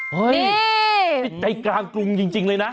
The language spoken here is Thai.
เฮ้ยนี่ใจกลางกรุงจริงเลยนะ